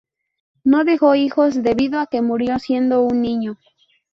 No dejó hijos debido a que murió siendo un niño.